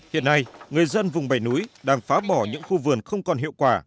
hiện nay người dân vùng bảy núi đang phá bỏ những khu vườn không còn hiệu quả